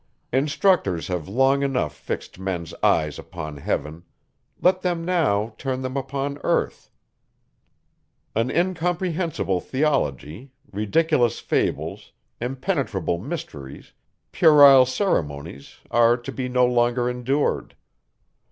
Instructors have long enough fixed men's eyes upon heaven; let them now turn them upon earth. An incomprehensible theology, ridiculous fables, impenetrable mysteries, puerile ceremonies, are to be no longer endured.